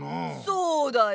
そうだよ！